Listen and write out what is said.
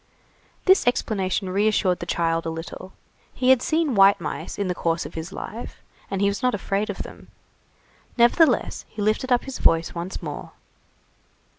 This explanation reassured the child a little. He had seen white mice in the course of his life, and he was not afraid of them. Nevertheless, he lifted up his voice once more.